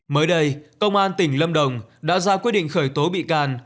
mới đây công an tỉnh lâm đồng đã ra quyết định khởi tố bị can